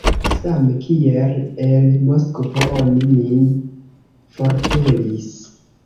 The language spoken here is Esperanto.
Same kiel el Moskvo oni min forpelis!